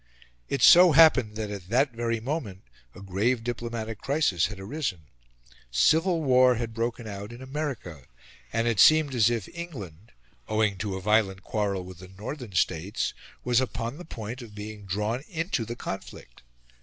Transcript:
It so happened that at that very moment a grave diplomatic crisis had arisen. Civil war had broken out in America, and it seemed as if England, owing to a violent quarrel with the Northern States, was upon the point of being drawn into the conflict.